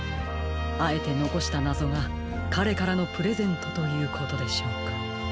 あえてのこしたなぞがかれからのプレゼントということでしょうか。